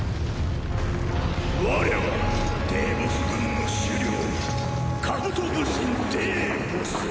我はデーボス軍の首領兜武神デーボス。